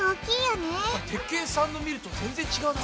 鉄拳さんの見ると全然違うな。